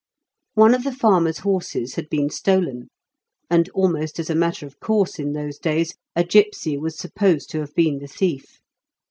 One of the farmer's horses had been stolen, and, almost as a matter of course in those days, a gipsy was supposed to have been the thief.